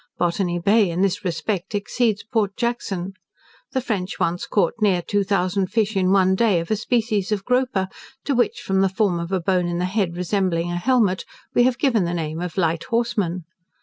Botany Bay in this respect exceeds Port Jackson. The French once caught near two thousand fish in one day, of a species of grouper, to which, from the form of a bone in the head resembling a helmet, we have given the name of light horseman.